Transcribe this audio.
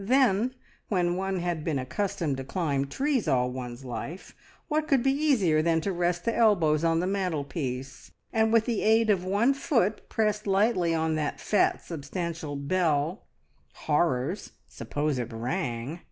Then, when one had been accustomed to climb trees all one's life, what could be easier than to rest the elbows on the mantelpiece, and with the aid of one foot pressed lightly on that fat, substantial bell, (horrors! suppose it rang!)